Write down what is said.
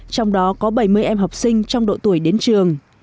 trong đó có bảy mươi em học sinh trong độ tuổi đến trường